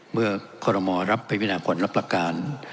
เมื่อโครมมอล์รับไปวินากรรมรับประการ